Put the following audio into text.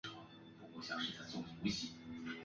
吃的更有内涵与层次喔！